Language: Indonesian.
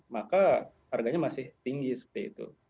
maka harganya masih tinggi seperti itu